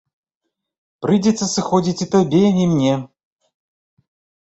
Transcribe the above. Прыйдзецца сыходзіць і табе, і мне.